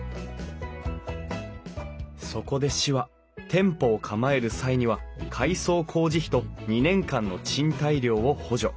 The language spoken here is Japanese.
そこで市は店舗を構える際には改装工事費と２年間の賃貸料を補助。